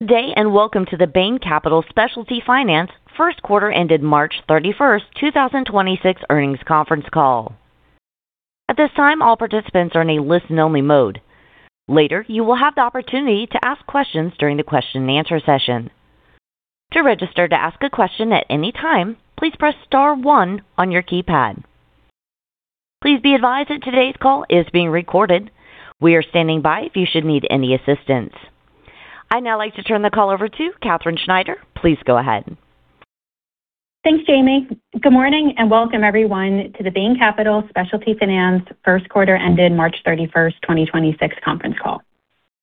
Good day, and welcome to the Bain Capital Specialty Finance 1st quarter ended March 31st, 2026 earnings conference call. I'd now like to turn the call over to Katherine Schneider. Please go ahead. Thanks, Jamie. Good morning, welcome everyone to the Bain Capital Specialty Finance first quarter ended March 31st, 2026 conference call.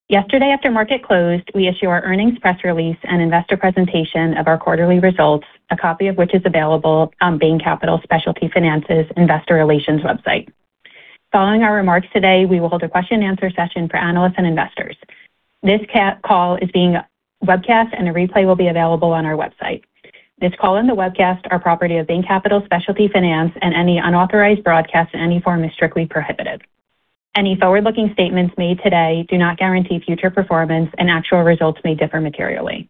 Yesterday, after market closed, we issued our earnings press release and investor presentation of our quarterly results, a copy of which is available on Bain Capital Specialty Finance's investor relations website. Following our remarks today, we will hold a question and answer session for analysts and investors. This call is being webcast, and a replay will be available on our website. This call and the webcast are property of Bain Capital Specialty Finance, and any unauthorized broadcast in any form is strictly prohibited. Any forward-looking statements made today do not guarantee future performance, and actual results may differ materially.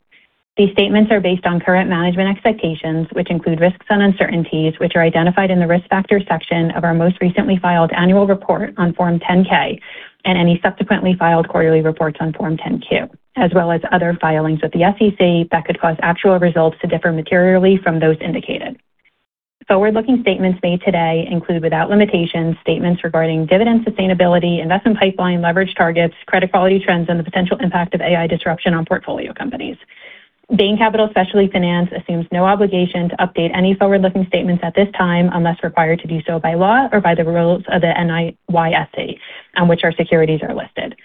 These statements are based on current management expectations, which include risks and uncertainties, which are identified in the Risk Factors section of our most recently filed annual report on Form 10-K and any subsequently filed quarterly reports on Form 10-Q, as well as other filings with the SEC that could cause actual results to differ materially from those indicated. Forward-looking statements made today include, without limitation, statements regarding dividend sustainability, investment pipeline, leverage targets, credit quality trends, and the potential impact of AI disruption on portfolio companies. Bain Capital Specialty Finance assumes no obligation to update any forward-looking statements at this time unless required to do so by law or by the rules of the NYSE on which our securities are listed.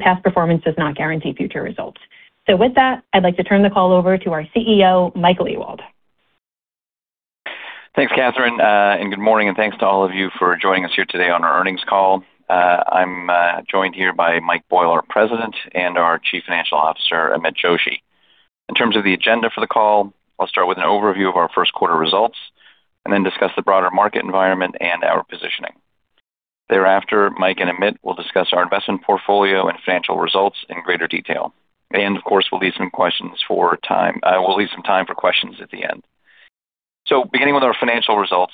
Past performance does not guarantee future results. With that, I'd like to turn the call over to our Chief Executive Officer, Michael Ewald. Thanks, Katherine, good morning, and thanks to all of you for joining us here today on our earnings call. I'm joined here by Michael Boyle, our President, and our Chief Financial Officer, Amit Joshi. In terms of the agenda for the call, I'll start with an overview of our first quarter results and then discuss the broader market environment and our positioning. Thereafter, Mike and Amit will discuss our investment portfolio and financial results in greater detail. Of course, we'll leave some time for questions at the end. Beginning with our financial results,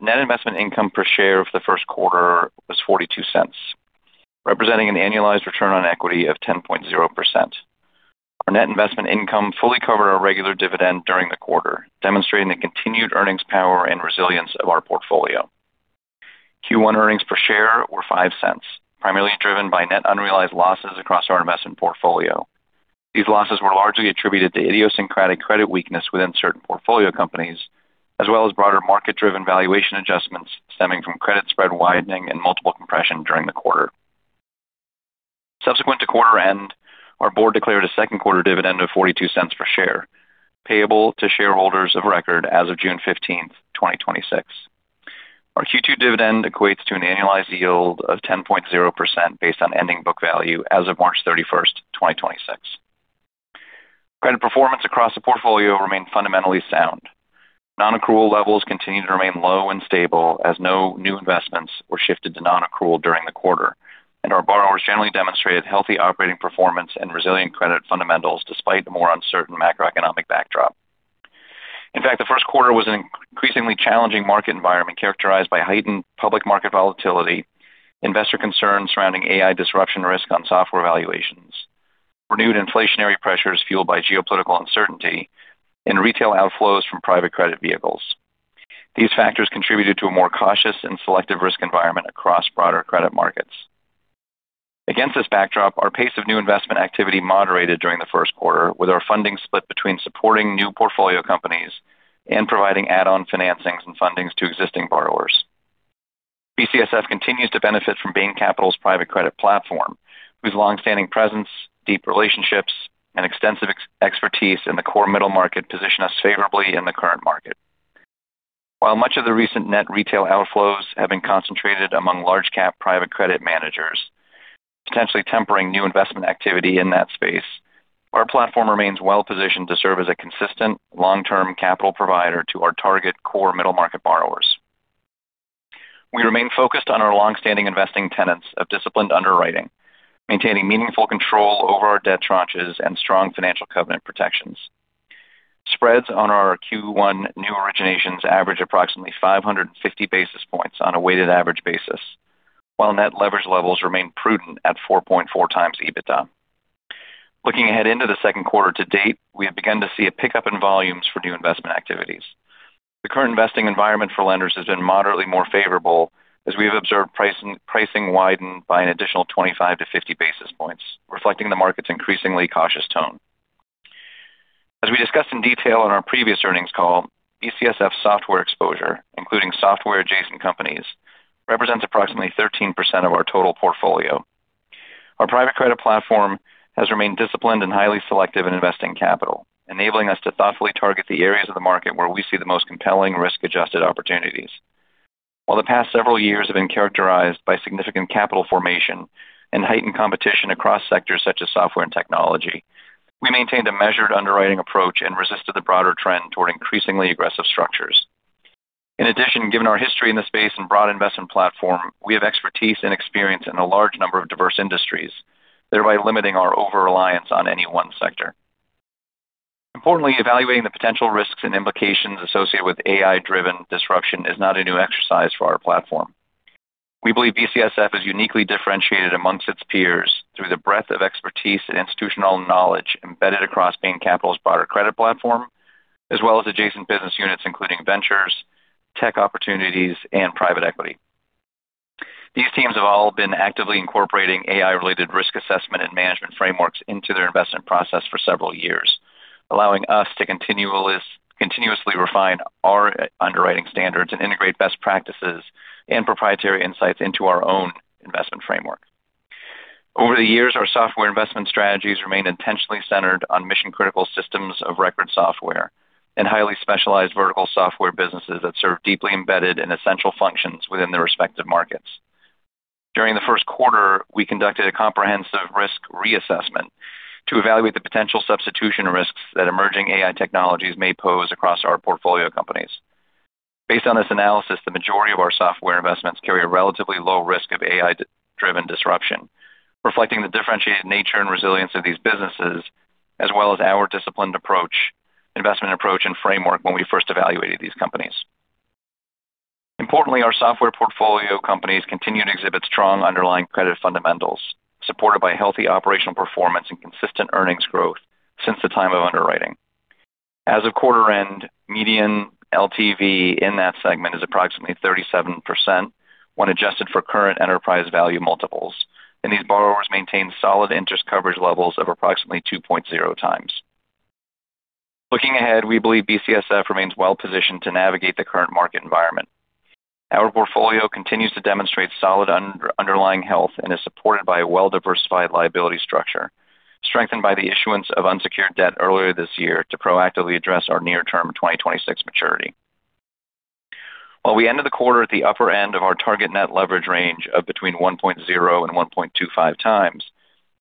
net investment income per share for the first quarter was $0.42, representing an annualized return on equity of 10.0%. Our net investment income fully covered our regular dividend during the quarter, demonstrating the continued earnings power and resilience of our portfolio. Q1 earnings per share were $0.05, primarily driven by net unrealized losses across our investment portfolio. These losses were largely attributed to idiosyncratic credit weakness within certain portfolio companies, as well as broader market-driven valuation adjustments stemming from credit spread widening and multiple compression during the quarter. Subsequent to quarter end, our board declared a second quarter dividend of $0.42 per share, payable to shareholders of record as of June 15th, 2026. Our Q2 dividend equates to an annualized yield of 10.0% based on ending book value as of March 31st, 2026. Credit performance across the portfolio remained fundamentally sound. Non-accrual levels continued to remain low and stable as no new investments were shifted to non-accrual during the quarter. Our borrowers generally demonstrated healthy operating performance and resilient credit fundamentals despite the more uncertain macroeconomic backdrop. In fact, the first quarter was an increasingly challenging market environment characterized by heightened public market volatility, investor concerns surrounding AI disruption risk on software valuations, renewed inflationary pressures fueled by geopolitical uncertainty, and retail outflows from private credit vehicles. These factors contributed to a more cautious and selective risk environment across broader credit markets. Against this backdrop, our pace of new investment activity moderated during the first quarter, with our funding split between supporting new portfolio companies and providing add-on financings and fundings to existing borrowers. BCSF continues to benefit from Bain Capital's private credit platform, whose long-standing presence, deep relationships, and extensive expertise in the core middle market position us favorably in the current market. While much of the recent net retail outflows have been concentrated among large cap private credit managers, potentially tempering new investment activity in that space, our platform remains well-positioned to serve as a consistent long-term capital provider to our target core middle-market borrowers. We remain focused on our long-standing investing tenets of disciplined underwriting, maintaining meaningful control over our debt tranches and strong financial covenant protections. Spreads on our Q1 new originations average approximately 550 basis points on a weighted average basis, while net leverage levels remain prudent at 4.4x EBITDA. Looking ahead into the second quarter to date, we have begun to see a pickup in volumes for new investment activities. The current investing environment for lenders has been moderately more favorable, as we have observed pricing widen by an additional 25 basis points-50 basis points, reflecting the market's increasingly cautious tone. As we discussed in detail on our previous earnings call, BCSF software exposure, including software adjacent companies, represents approximately 13% of our total portfolio. Our private credit platform has remained disciplined and highly selective in investing capital, enabling us to thoughtfully target the areas of the market where we see the most compelling risk-adjusted opportunities. While the past several years have been characterized by significant capital formation and heightened competition across sectors such as software and technology, we maintained a measured underwriting approach and resisted the broader trend toward increasingly aggressive structures. In addition, given our history in the space and broad investment platform, we have expertise and experience in a large number of diverse industries, thereby limiting our over-reliance on any one sector. Importantly, evaluating the potential risks and implications associated with AI-driven disruption is not a new exercise for our platform. We believe BCSF is uniquely differentiated amongst its peers through the breadth of expertise and institutional knowledge embedded across Bain Capital's broader credit platform, as well as adjacent business units, including ventures, tech opportunities, and private equity. These teams have all been actively incorporating AI-related risk assessment and management frameworks into their investment process for several years, allowing us to continuously refine our underwriting standards and integrate best practices and proprietary insights into our own investment framework. Over the years, our software investment strategies remain intentionally centered on mission-critical systems of record software and highly specialized vertical software businesses that serve deeply embedded and essential functions within their respective markets. During the first quarter, we conducted a comprehensive risk reassessment to evaluate the potential substitution risks that emerging AI technologies may pose across our portfolio companies. Based on this analysis, the majority of our software investments carry a relatively low risk of AI-driven disruption, reflecting the differentiated nature and resilience of these businesses, as well as our disciplined approach, investment approach, and framework when we first evaluated these companies. Importantly, our software portfolio companies continue to exhibit strong underlying credit fundamentals, supported by healthy operational performance and consistent earnings growth since the time of underwriting. As of quarter end, median LTV in that segment is approximately 37% when adjusted for current enterprise value multiples, and these borrowers maintain solid interest coverage levels of approximately 2.0x. Looking ahead, we believe BCSF remains well positioned to navigate the current market environment. Our portfolio continues to demonstrate solid underlying health and is supported by a well-diversified liability structure, strengthened by the issuance of unsecured debt earlier this year to proactively address our near-term 2026 maturity. While we ended the quarter at the upper end of our target net leverage range of between 1.0x-1.25x,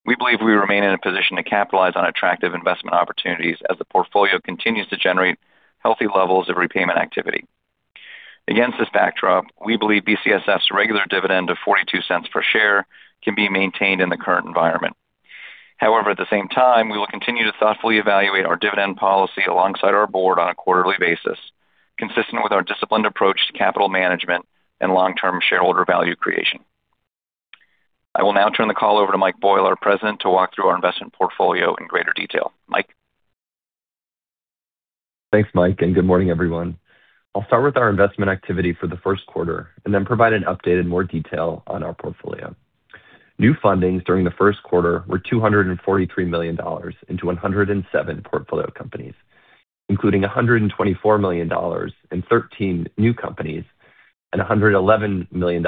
we believe we remain in a position to capitalize on attractive investment opportunities as the portfolio continues to generate healthy levels of repayment activity. Against this backdrop, we believe BCSF's regular dividend of $0.42 per share can be maintained in the current environment. However, at the same time, we will continue to thoughtfully evaluate our dividend policy alongside our board on a quarterly basis, consistent with our disciplined approach to capital management and long-term shareholder value creation. I will now turn the call over to Michael Boyle, our President, to walk through our investment portfolio in greater detail. Mike. Thanks, Mike. Good morning, everyone. I'll start with our investment activity for the first quarter and then provide an update in more detail on our portfolio. New fundings during the first quarter were $243 million into 107 portfolio companies, including $124 million in 13 new companies and $111 million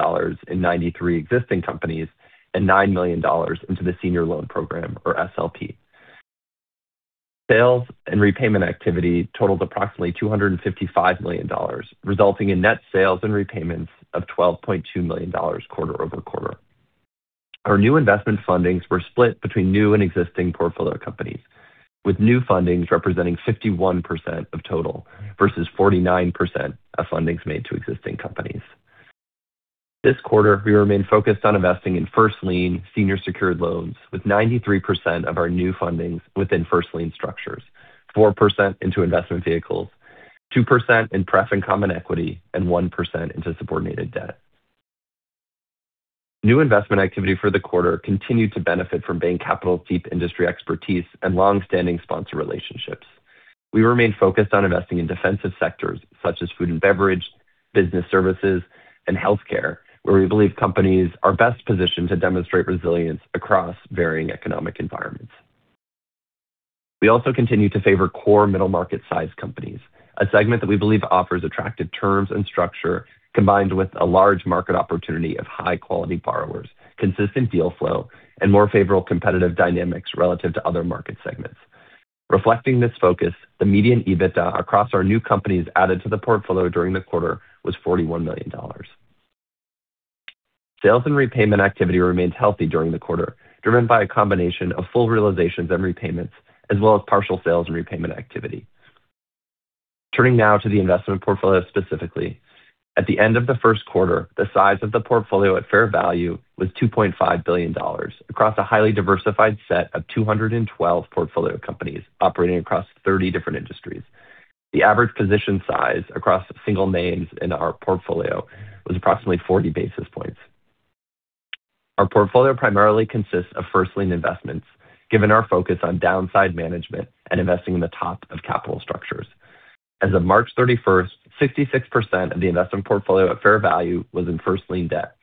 in 93 existing companies and $9 million into the Senior Loan Program or SLP. Sales and repayment activity totaled approximately $255 million, resulting in net sales and repayments of $12.2 million quarter-over-quarter. Our new investment fundings were split between new and existing portfolio companies, with new fundings representing 51% of total versus 49% of fundings made to existing companies. This quarter, we remain focused on investing in first lien senior secured loans, with 93% of our new fundings within first lien structures, 4% into investment vehicles, 2% in preferred and common equity, and 1% into subordinated debt. New investment activity for the quarter continued to benefit from Bain Capital's deep industry expertise and long-standing sponsor relationships. We remain focused on investing in defensive sectors such as food and beverage, business services, and healthcare, where we believe companies are best positioned to demonstrate resilience across varying economic environments. We also continue to favor core middle market size companies, a segment that we believe offers attractive terms and structure combined with a large market opportunity of high-quality borrowers, consistent deal flow, and more favorable competitive dynamics relative to other market segments. Reflecting this focus, the median EBITDA across our new companies added to the portfolio during the quarter was $41 million. Sales and repayment activity remained healthy during the quarter, driven by a combination of full realizations and repayments, as well as partial sales and repayment activity. Turning now to the investment portfolio specifically. At the end of the first quarter, the size of the portfolio at fair value was $2.5 billion across a highly diversified set of 212 portfolio companies operating across 30 different industries. The average position size across single names in our portfolio was approximately 40 basis points. Our portfolio primarily consists of first lien investments, given our focus on downside management and investing in the top of capital structures. As of March 31st, 66% of the investment portfolio at fair value was in first lien debt,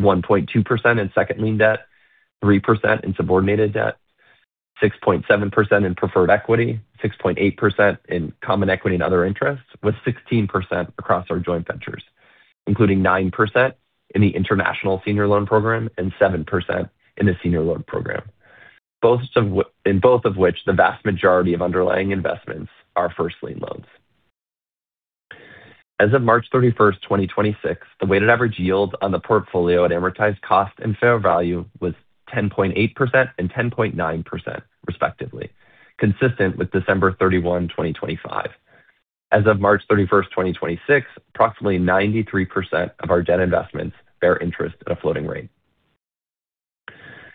1.2% in second lien debt, 3% in subordinated debt, 6.7% in preferred equity, 6.8% in common equity and other interests, with 16% across our joint ventures, including 9% in the International Senior Loan Program and 7% in the Senior Loan Program. In both of which the vast majority of underlying investments are first lien loans. As of March 31st, 2026, the weighted average yield on the portfolio at amortized cost and fair value was 10.8% and 10.9% respectively, consistent with December 31st, 2025. As of March 31st, 2026, approximately 93% of our debt investments bear interest at a floating rate.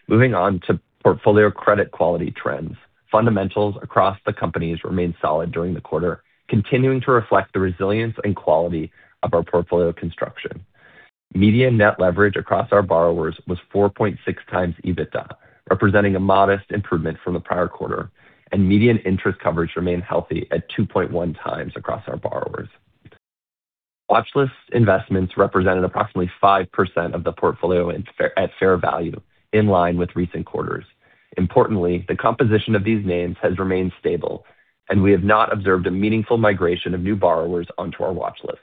Moving on to portfolio credit quality trends. Fundamentals across the companies remained solid during the quarter, continuing to reflect the resilience and quality of our portfolio construction. Median net leverage across our borrowers was 4.6x EBITDA, representing a modest improvement from the prior quarter, and median interest coverage remained healthy at 2.1x across our borrowers. Watch list investments represented approximately 5% of the portfolio at fair value, in line with recent quarters. Importantly, the composition of these names has remained stable, and we have not observed a meaningful migration of new borrowers onto our watch list.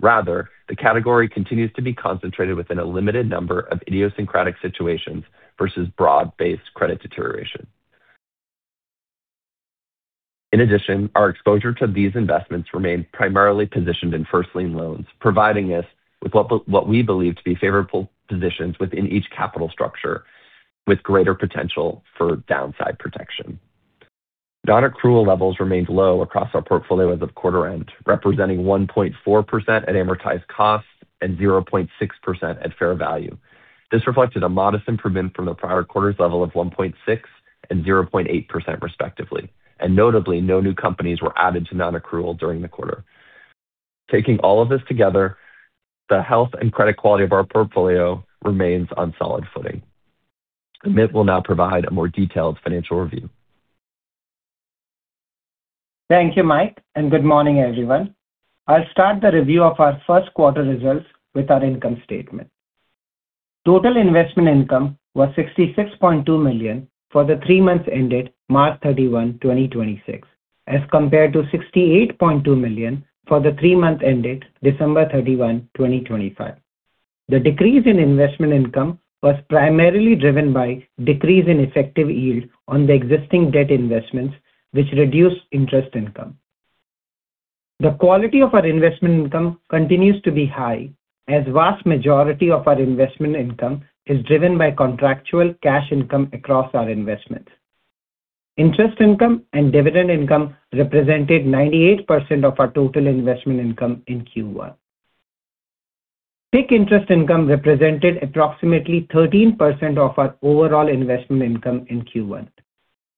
Rather, the category continues to be concentrated within a limited number of idiosyncratic situations versus broad-based credit deterioration. In addition, our exposure to these investments remained primarily positioned in first lien loans, providing us with what we believe to be favorable positions within each capital structure with greater potential for downside protection. Non-accrual levels remained low across our portfolio as of quarter end, representing 1.4% at amortized costs and 0.6% at fair value. Notably, this reflected a modest improvement from the prior quarter's level of 1.6% and 0.8% respectively, and no new companies were added to non-accrual during the quarter. Taking all of this together, the health and credit quality of our portfolio remains on solid footing. Amit will now provide a more detailed financial review. Thank you, Mike, and good morning, everyone. I'll start the review of our first quarter results with our income statement. Total investment income was $66.2 million for the three months ended March 31st, 2026, as compared to $68.2 million for the three month ended December 31st, 2025. The decrease in investment income was primarily driven by decrease in effective yield on the existing debt investments, which reduced interest income. The quality of our investment income continues to be high as vast majority of our investment income is driven by contractual cash income across our investments. Interest income and dividend income represented 98% of our total investment income in Q1. PIK interest income represented approximately 13% of our overall investment income in Q1.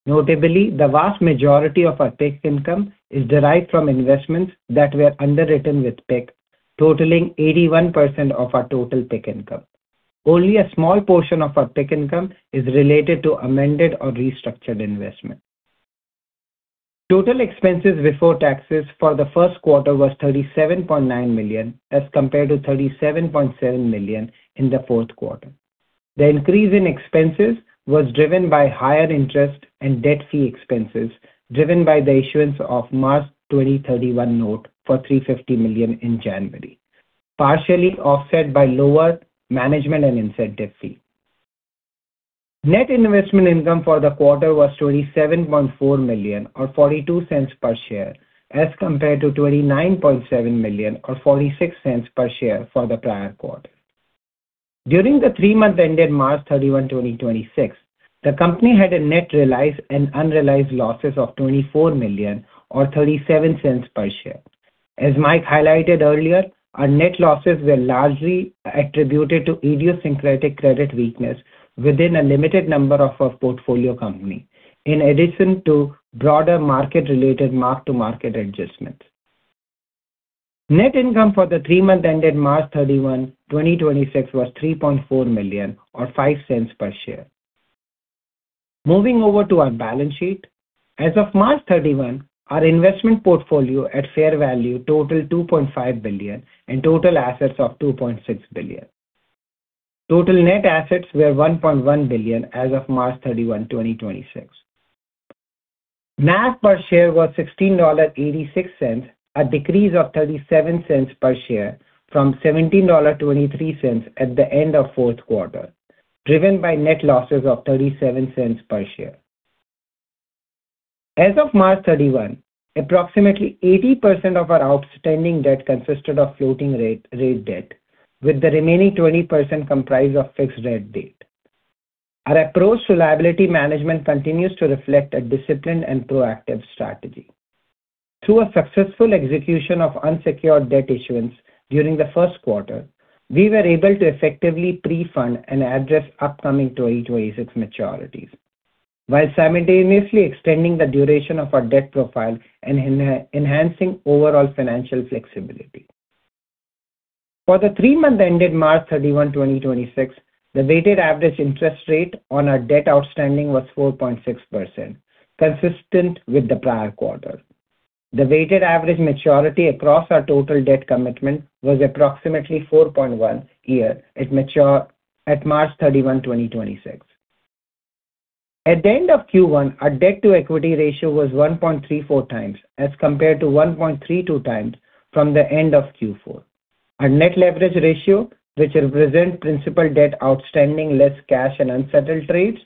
Notably, the vast majority of our PIK income is derived from investments that were underwritten with PIK, totaling 81% of our total PIK income. Only a small portion of our PIK income is related to amended or restructured investments. Total expenses before taxes for the first quarter was $37.9 million, as compared to $37.7 million in the fourth quarter. The increase in expenses was driven by higher interest and debt fee expenses, driven by the issuance of March 2031 note for $350 million in January, partially offset by lower management and incentive fee. Net investment income for the quarter was $27.4 million or $0.42 per share as compared to $29.7 million or $0.46 per share for the prior quarter. During the three month ended March 31st, 2026, the company had a net realized and unrealized losses of $24 million or $0.37 per share. As Mike highlighted earlier, our net losses were largely attributed to idiosyncratic credit weakness within a limited number of our portfolio company, in addition to broader market related mark-to-market adjustments. Net income for the three month ended March 31st, 2026 was $3.4 million or $0.05 per share. Moving over to our balance sheet. As of March 31st, our investment portfolio at fair value totaled $2.5 billion and total assets of $2.6 billion. Total net assets were $1.1 billion as of March 31st, 2026. NAV per share was $16.86, a decrease of $0.37 per share from $17.23 at the end of fourth quarter, driven by net losses of $0.37 per share. As of March 31st, approximately 80% of our outstanding debt consisted of floating rate debt, with the remaining 20% comprised of fixed rate debt. Our approach to liability management continues to reflect a disciplined and proactive strategy. Through a successful execution of unsecured debt issuance during the first quarter, we were able to effectively pre-fund and address upcoming 2026 maturities, while simultaneously extending the duration of our debt profile and enhancing overall financial flexibility. For the three month ended March 31st, 2026, the weighted average interest rate on our debt outstanding was 4.6%, consistent with the prior quarter. The weighted average maturity across our total debt commitment was approximately 4.1 year at March 31st, 2026. At the end of Q1, our debt-to-equity ratio was 1.34x as compared to 1.32x from the end of Q4. Our net leverage ratio, which represent principal debt outstanding less cash and unsettled trades,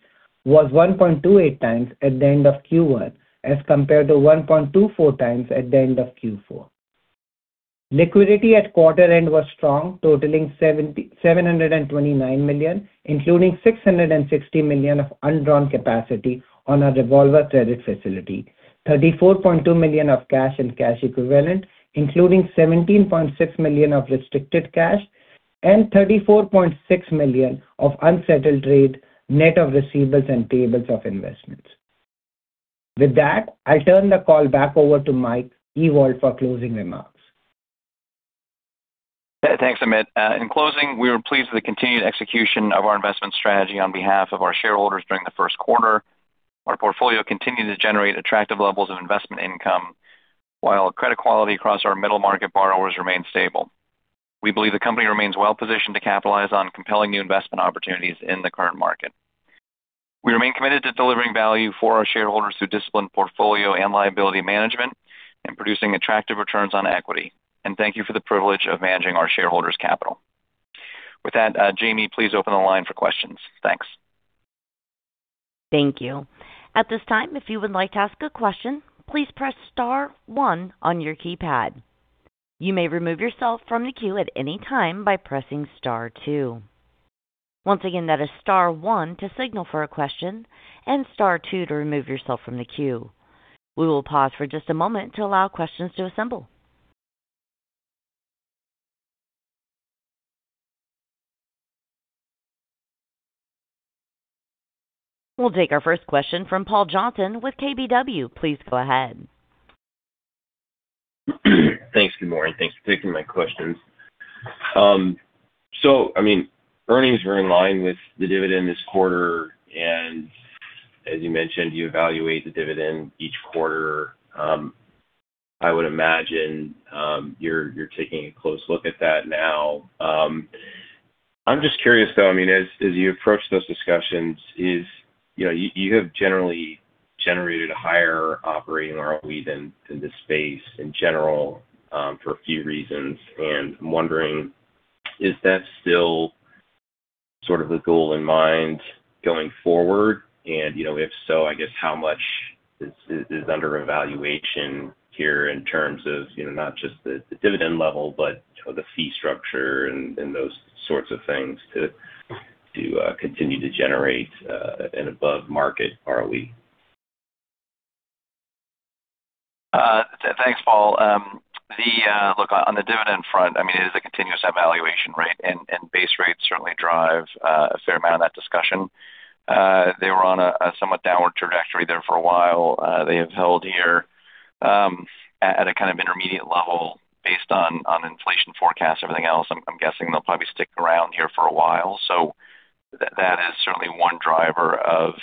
was 1.28x at the end of Q1 as compared to 1.24x at the end of Q4. Liquidity at quarter end was strong, totaling $729 million, including $660 million of undrawn capacity on our revolver credit facility, $34.2 million of cash and cash equivalent, including $17.6 million of restricted cash and $34.6 million of unsettled trade net of receivables and payables of investments. With that, I'll turn the call back over to Michael Ewald for closing remarks. Yeah, thanks, Amit. In closing, we were pleased with the continued execution of our investment strategy on behalf of our shareholders during the first quarter. Our portfolio continued to generate attractive levels of investment income while credit quality across our middle market borrowers remained stable. We believe the company remains well-positioned to capitalize on compelling new investment opportunities in the current market. We remain committed to delivering value for our shareholders through disciplined portfolio and liability management and producing attractive returns on equity. Thank you for the privilege of managing our shareholders' capital. With that, Jamie, please open the line for questions. Thanks. Thank you. At this time, if you would like to ask a question, please press star one on your keypad. You may remove yourself from the queue at any time by pressing star two. Once again, that is star one to signal for a question and star two to remove yourself from the queue. We will pause for just a moment to allow questions to assemble. We'll take our first question from Paul Johnson with Keefe, Bruyette & Woods. Please go ahead. Thanks. Good morning. Thanks for taking my questions. I mean, earnings were in line with the dividend this quarter, and as you mentioned, you evaluate the dividend each quarter. I would imagine, you're taking a close look at that now. I'm just curious, though, I mean, as you approach those discussions, is You know, you have generally generated a higher operating ROE than the space in general, for a few reasons. I'm wondering, is that still sort of the goal in mind going forward? You know, if so, I guess how much is under evaluation here in terms of, you know, not just the dividend level, but the fee structure and those sorts of things to continue to generate an above market ROE? Thanks, Paul. Look, on the dividend front, I mean, it is a continuous evaluation, right? Base rates certainly drive a fair amount of that discussion. They were on a somewhat downward trajectory there for a while. They have held here at a kind of intermediate level based on inflation forecast, everything else. I'm guessing they'll probably stick around here for a while. That is certainly one driver of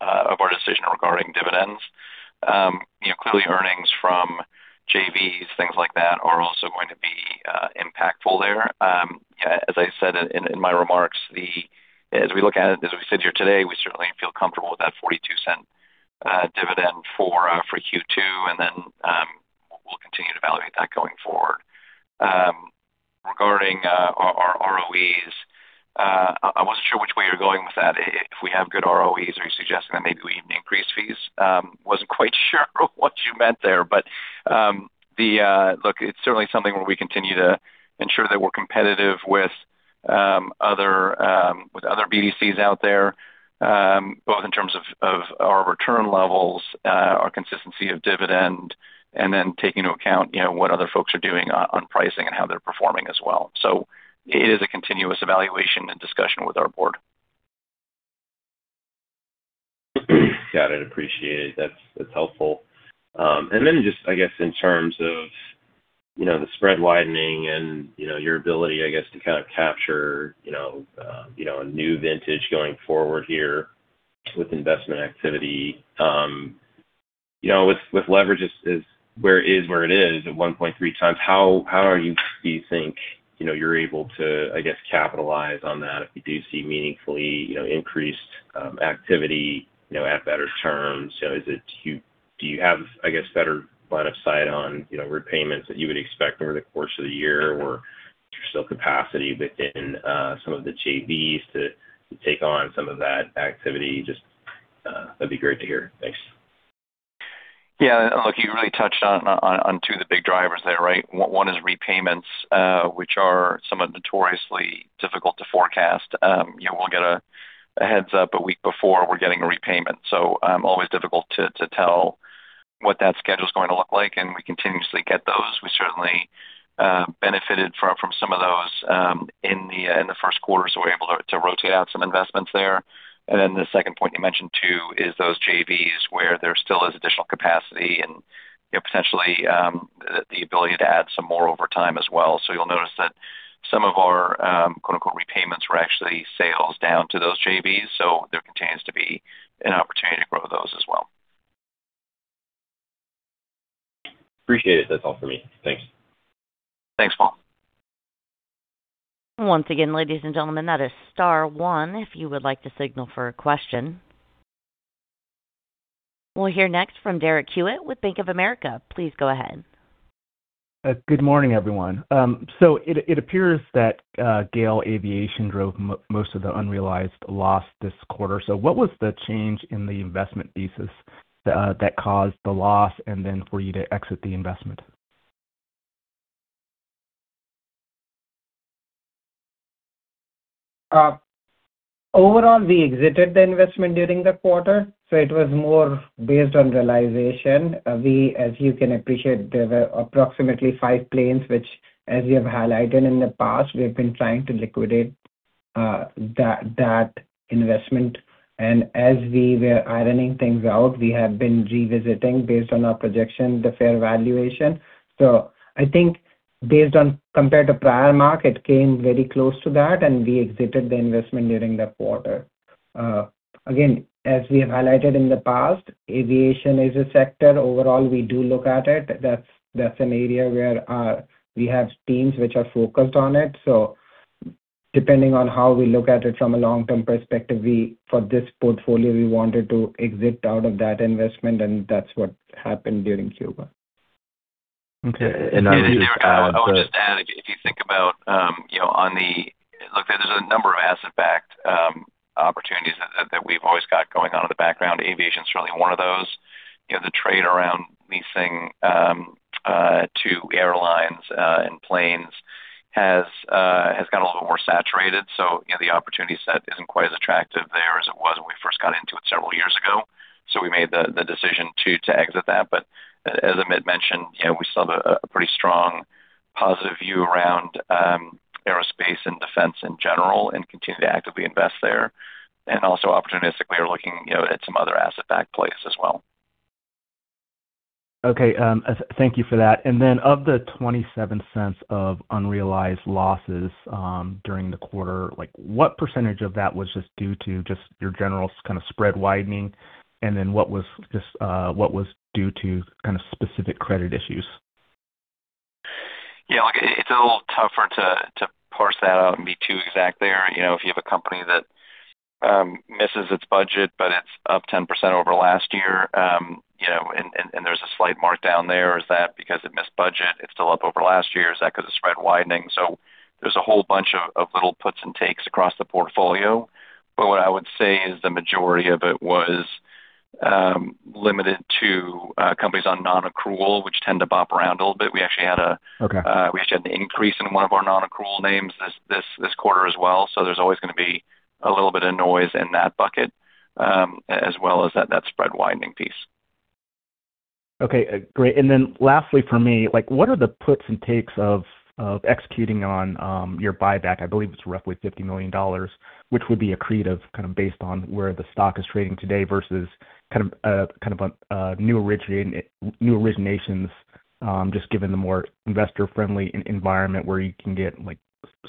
our decision regarding dividends. You know, clearly earnings from JVs, things like that are also going to be impactful there. As I said in my remarks, as we look at it, as we sit here today, we certainly feel comfortable with that $0.42 dividend for Q2. We'll continue to evaluate that going forward. Regarding our ROEs, I wasn't sure which way you're going with that. If we have good ROEs, are you suggesting that maybe we increase fees? Wasn't quite sure what you meant there. Look, it's certainly something where we continue to ensure that we're competitive with other BDCs out there, both in terms of our return levels, our consistency of dividend, and then taking into account, you know, what other folks are doing on pricing and how they're performing as well. It is a continuous evaluation and discussion with our board. Got it. Appreciate it. That's helpful. Then just I guess in terms of, you know, the spread widening and, you know, your ability, I guess, to kind of capture, you know, a new vintage going forward here with investment activity. You know, with leverage is where it is at 1.3x. How do you think, you know, you're able to, I guess, capitalize on that if you do see meaningfully, you know, increased activity, you know, at better terms? Do you have, I guess, better line of sight on, you know, repayments that you would expect over the course of the year, or is there still capacity within some of the JVs to take on some of that activity? Just that'd be great to hear. Thanks. Yeah. Look, you really touched on two of the big drivers there, right? 1 is repayments, which are somewhat notoriously difficult to forecast. You will get a heads-up one week before we're getting a repayment. Always difficult to tell what that schedule is going to look like, and we continuously get those. We certainly benefited from some of those in the first quarter, so we're able to rotate out some investments there. The 2nd point you mentioned too is those JVs where there still is additional capacity and, you know, potentially, the ability to add some more over time as well. You'll notice that some of our, quote-unquote, repayments were actually sales down to those JVs. There continues to be an opportunity to grow those as well. Appreciate it. That's all for me. Thanks. Thanks, Paul. Once again, ladies and gentlemen, that is star one, if you would like to signal for a question. We'll hear next from Derek Hewett with Bank of America. Please go ahead. Good morning, everyone. It appears that Gale Aviation drove most of the unrealized loss this quarter. What was the change in the investment thesis that caused the loss and for you to exit the investment? We exited the investment during the quarter. It was more based on realization. We, as you can appreciate, there were approximately 5 planes which, as we have highlighted in the past, we have been trying to liquidate. That, that investment. As we were ironing things out, we have been revisiting based on our projection, the fair valuation. I think based on compared to prior mark, it came very close to that, and we exited the investment during that quarter. Again, as we highlighted in the past, aviation is a sector overall. We do look at it. That's, that's an area where we have teams which are focused on it. Depending on how we look at it from a long-term perspective, we, for this portfolio, we wanted to exit out of that investment, and that's what happened during Q1. Okay. Yeah. I would just add, if you think about, on the Look, there's a number of asset-backed opportunities that we've always got going on in the background. Aviation certainly one of those. The trade around leasing to airlines and planes has got a little more saturated. The opportunity set isn't quite as attractive there as it was when we first got into it several years ago. We made the decision to exit that. As Amit mentioned, we still have a pretty strong positive view around aerospace and defense in general and continue to actively invest there. Also opportunistically are looking at some other asset-backed plays as well. Okay. Thank you for that. Of the $0.27 of unrealized losses, during the quarter, like, what percentage of that was just due to just your general kind of spread widening? What was just, what was due to kind of specific credit issues? Look, it's a little tougher to parse that out and be too exact there. You know, if you have a company that misses its budget, but it's up 10% over last year, you know, and there's a slight mark down there. Is that because it missed budget? It's still up over last year. Is that 'cause of spread widening? There's a whole bunch of little puts and takes across the portfolio. What I would say is the majority of it was limited to companies on non-accrual, which tend to bop around a little bit. We actually had a- Okay. We actually had an increase in one of our non-accrual names this quarter as well. There's always gonna be a little bit of noise in that bucket as well as that spread widening piece. Okay. Great. Then lastly for me, like, what are the puts and takes of executing on your buyback? I believe it's roughly $50 million, which would be accretive kind of based on where the stock is trading today versus kind of new originations, just given the more investor-friendly environment where you can get, like,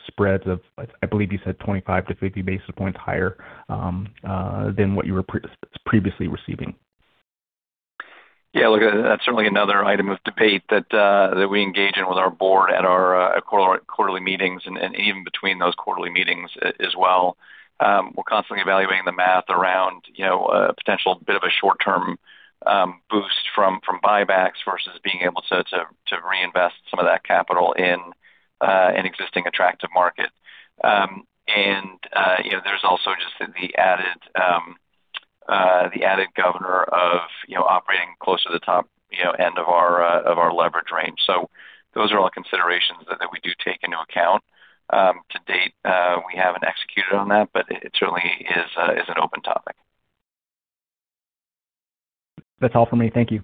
spreads of, I believe you said 25 basis points-50 basis points higher than what you were previously receiving. Yeah, look, that's certainly another item of debate that we engage in with our board at our quarterly meetings and even between those quarterly meetings as well. We're constantly evaluating the math around, you know, a potential bit of a short-term boost from buybacks versus being able to reinvest some of that capital in an existing attractive market. There's also just the added, the added governor of, you know, operating close to the top, you know, end of our leverage range. Those are all considerations that we do take into account. To date, we haven't executed on that, but it certainly is an open topic. That's all for me. Thank you.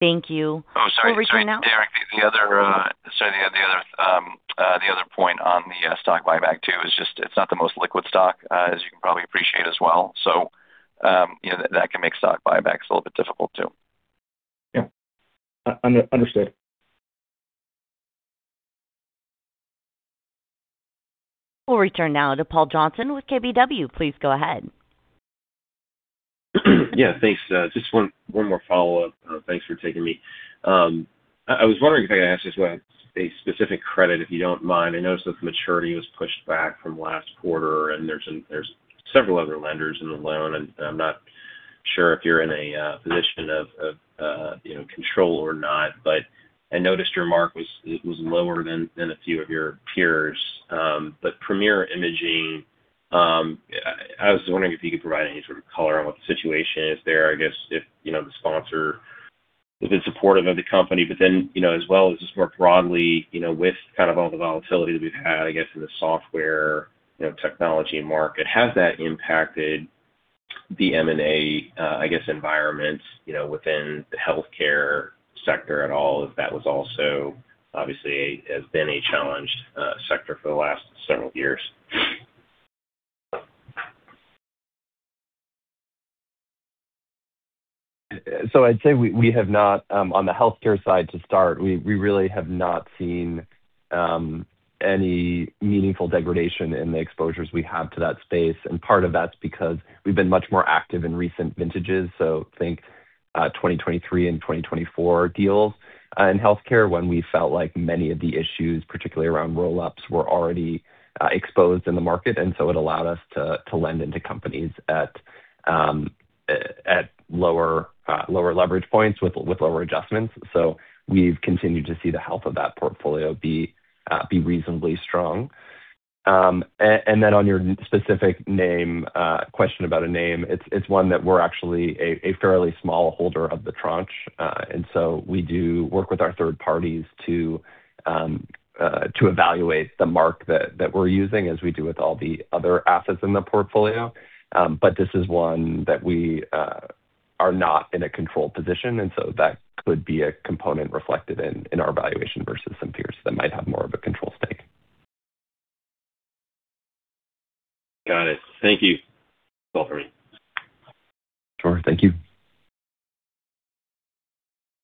Thank you. Oh, sorry. We'll return now. Derek, Sorry, the other point on the stock buyback too is just it's not the most liquid stock, as you can probably appreciate as well. You know, that can make stock buybacks a little bit difficult too. Yeah. Understood. We'll return now to Paul Johnson with Keefe, Bruyette & Woods. Please go ahead. Yeah. Thanks. Just one more follow-up. Thanks for taking me. I was wondering if I could ask just about a specific credit, if you don't mind. I noticed the maturity was pushed back from last quarter, and there's several other lenders in the loan, and I'm not sure if you're in a position of, you know, control or not. I noticed your mark was lower than a few of your peers. Premier Imaging, I was wondering if you could provide any sort of color on what the situation is there. I guess if, you know, the sponsor has been supportive of the company. You know, as well as just more broadly, you know, with kind of all the volatility that we've had, I guess, in the software, you know, technology market, has that impacted the M&A, I guess, environment, you know, within the healthcare sector at all? If that was also obviously has been a challenged sector for the last several years. I'd say we have not, on the healthcare side to start, we really have not seen any meaningful degradation in the exposures we have to that space. Part of that's because we've been much more active in recent vintages. Think 2023 and 2024 deals in healthcare when we felt like many of the issues, particularly around roll-ups, were already exposed in the market. It allowed us to lend into companies at lower leverage points with lower adjustments. We've continued to see the health of that portfolio be reasonably strong. And then on your specific name, question about a name, it's one that we're actually a fairly small holder of the tranche. We do work with our third parties to to evaluate the mark that we're using as we do with all the other assets in the portfolio. This is one that we are not in a controlled position, and so that could be a component reflected in our valuation versus some peers that might have more of a control stake. Got it. Thank you. That's all for me. Sure. Thank you.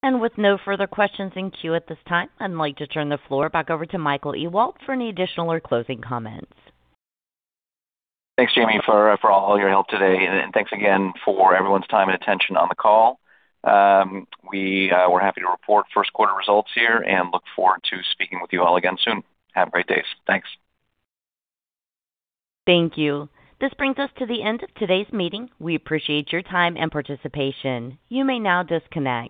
With no further questions in queue at this time, I'd like to turn the floor back over to Michael Ewald for any additional or closing comments. Thanks, Jamie, for all your help today. Thanks again for everyone's time and attention on the call. We're happy to report first quarter results here and look forward to speaking with you all again soon. Have great days. Thanks. Thank you. This brings us to the end of today's meeting. We appreciate your time and participation. You may now disconnect.